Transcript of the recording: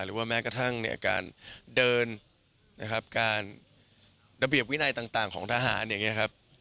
หรือว่าแม้กระทั่งเนี่ยการเดินนะครับการระเบียบวินัยต่างของทหารอย่างนี้ครับ